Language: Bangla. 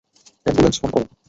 অ্যাম্বুলেন্স ফোন করো।